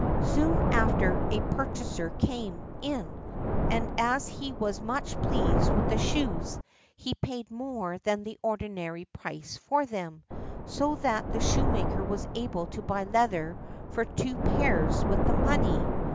Soon after a purchaser came in, and as he was much pleased with the shoes, he paid more than the ordinary price for them, so that the shoemaker was able to buy leather for two pairs with the money.